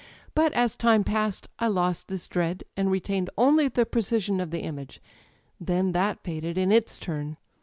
But as time passed I lost this dread, and retained only the precision of the image. Then that faded in its turn.